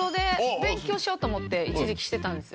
しようと思って一時期してたんですよ。